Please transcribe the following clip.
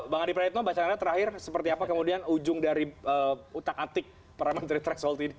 bang adi praditno bacaan terakhir seperti apa kemudian ujung dari utang antik para menteri tresol ini